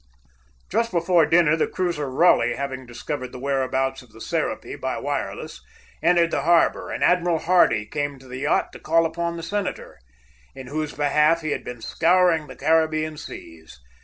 Just before dinner, the cruiser Raleigh having discovered the whereabouts of the Serapis by wireless, entered the harbor, and Admiral Hardy came to the yacht to call upon the senator, in whose behalf he had been scouring the Caribbean Seas.